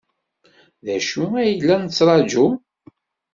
D acu ay la nettṛaju?